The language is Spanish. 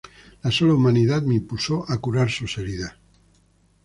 La sola humanidad me impulsó a curar sus heridas.